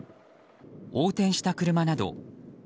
横転した車など。